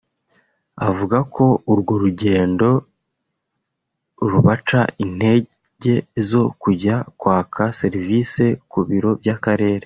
avuga ko urwo rugendo rubaca intege zo kujya kwaka serivise ku biro by’Akarere